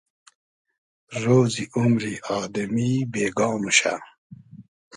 رۉزی اومری آدئمی بېگا موشۂ